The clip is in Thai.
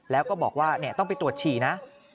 แล้วก็บอกว่าต้องไปตรวจฉี่นะ